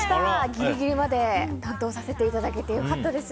ギリギリまで担当させていただけて良かったです。